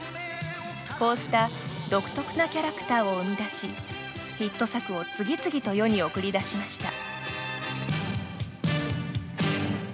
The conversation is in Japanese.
こうした独特なキャラクターを生みだし、ヒット作を次々と世に送り出しました。